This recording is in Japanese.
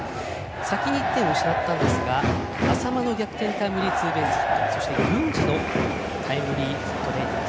先に１点を失ったんですが淺間のタイムリーツーベースヒット郡司のタイムリーヒットで２点。